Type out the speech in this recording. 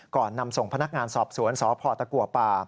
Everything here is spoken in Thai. ก่อนนำส่งพนักงานสอบสวนอศอำเภอตะกว่าป่า